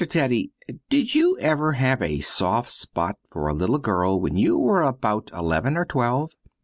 Teddy, did you ever have a soft spot for a little girl, when you were about eleven or twelve?